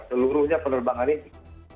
seluruhnya penerbangan ini